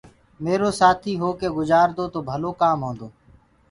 ميرو سآٿيٚ هوڪي گُجآردو تو ڀلو ڪآم هونٚدو